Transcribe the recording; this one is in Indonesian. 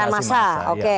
pengerahan massa oke